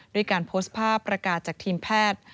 ด้วยการโพสต์ภาพประกาศจากทีมแพทย์